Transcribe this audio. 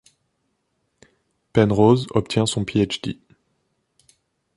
Penrose obtient son Ph.D.